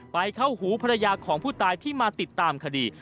เข้าหูภรรยาของผู้ตายที่มาติดตามคดี